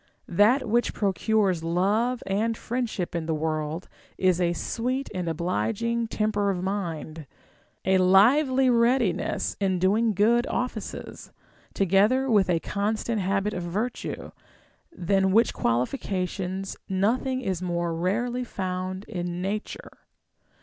That which procures love and friendship in the world is a sweet and obliging temper of mind, a lively readiness in doing good offices, together with a constant habit of virtue ; than w^hich qualifications nothing is more rarely found in nature.